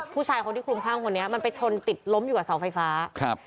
ผู้ชายคนที่คลุมคลั่งคนนี้มันไปชนติดล้มอยู่กับเสาไฟฟ้าครับ